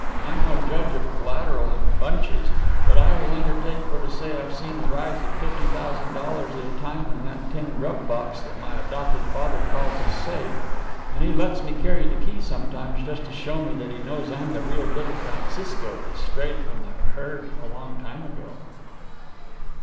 I'm no judge of collateral in bunches, but I will undertake for to say that I've seen the rise of $50,000 at a time in that tin grub box that my adopted father calls his safe. And he lets me carry the key sometimes just to show me that he knows I'm the real little Francisco that strayed from the herd a long time ago."